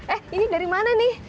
eh ini dari mana nih